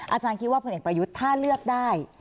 อาจารย์คิดว่าผลเอกประยุทธ์ถ้าเลือกได้